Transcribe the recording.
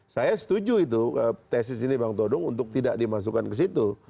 saya setuju itu tesis ini bang todong untuk tidak dimasukkan ke situ